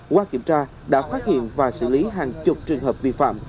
qua kiểm tra đã phát hiện và xử lý hàng chục trường hợp vi phạm